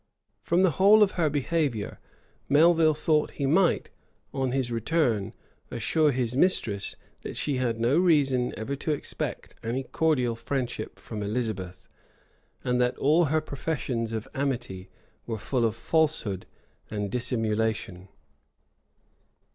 [*] From the whole of her behavior, Melvil thought he might, on his return, assure his mistress, that she had no reason ever to expect any cordial friendship from Elizabeth, and that all her professions of amity were full of falsehood and dissimulation.